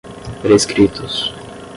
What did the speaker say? prescritos